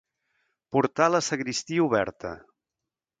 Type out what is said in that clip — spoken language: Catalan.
Portar la sagristia oberta.